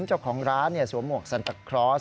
เจ้าของร้านสวมหมวกซันตะครอส